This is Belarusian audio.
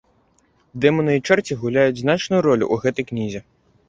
Дэманы і чэрці гуляюць значную ролю ў гэтай кнізе.